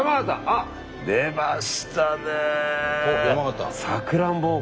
あっ出ましたね！